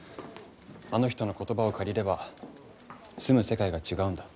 あの人の言葉を借りれば住む世界が違うんだ。